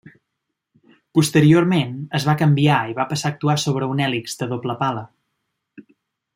Posteriorment, es va canviar i va passar a actuar sobre una hèlix de doble pala.